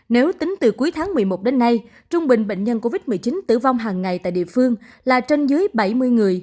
nếu tính từ cuối tháng một mươi một đến nay trung bình bệnh nhân covid một mươi chín tử vong hàng ngày tại địa phương là trên dưới bảy mươi người